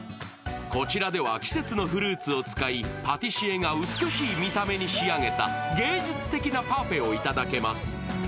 こちらでは季節のフルーツを使い、パティシエが美しい見た目に仕上げた芸術的なパフェを頂けます。